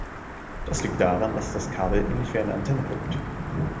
Das liegt daran, dass das Kabel ähnlich wie eine Antenne wirkt.